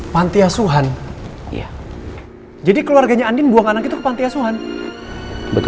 pantiasuhan iya jadi keluarganya andi buang anak itu pantiasuhan betul